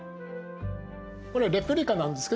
これレプリカなんですけどね